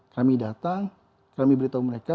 kami datang kami beritahu mereka